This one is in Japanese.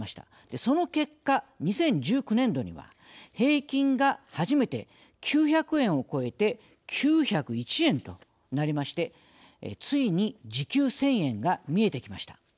その結果２０１９年度には平均が初めて９００円を超えて９０１円となりましてついに時給１０００円が見えてきました。